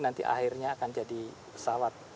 nanti akhirnya akan jadi pesawat